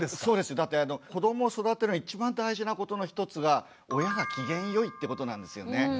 だって子どもを育てるのに一番大事なことの一つは親が機嫌良いってことなんですよね。